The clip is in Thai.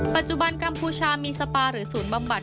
ปัจจุบันกัมพูชามีสปาหรือศูนย์บำบัด